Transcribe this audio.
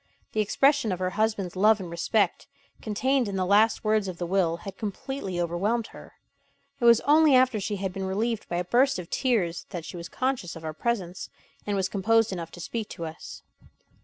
The expression of her husband's love and respect, contained in the last words of the will, had completely overwhelmed her. It was only after she had been relieved by a burst of tears that she was conscious of our presence, and was composed enough to speak to us.